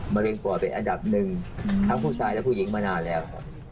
มะเร็งปอดเป็นอันดับหนึ่งทั้งผู้ชายและผู้หญิงมานานแล้วครับ